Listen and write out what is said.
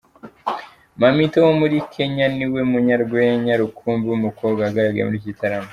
Mammito wo muri Kenya, ni we munyarwenya rukumbi w’umukobwa wagaragaye muri iki gitaramo.